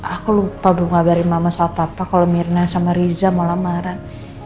aku lupa belum ngabarin mama sama papa kalau mirna sama riza mau lamaran